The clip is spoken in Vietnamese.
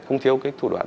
không thiếu cái thủ đoạn